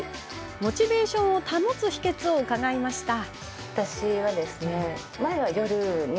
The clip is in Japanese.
モチベーションを保つ秘けつを伺いました。